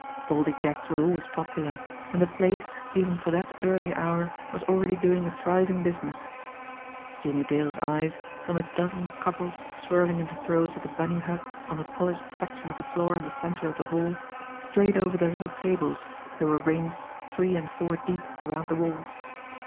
Baldy Jack's was always popular, and the place, even for that early hour, was already doing a thriving business. Jimmie Dale's eyes, from a dozen couples swirling in the throes of the bunny hug on the polished section of the floor in the centre of the hall, strayed over the little tables that were ranged three and four deep around the walls.